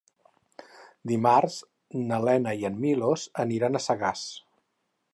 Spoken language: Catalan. Dimarts na Lena i en Milos aniran a Sagàs.